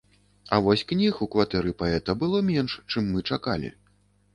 А вось кніг у кватэры паэта было менш, чым мы чакалі.